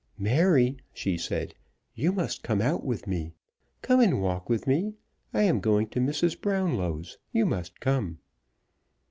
"Mary," she said, "you must come out with me. Come and walk with me. I am going to Mrs. Brownlow's. You must come."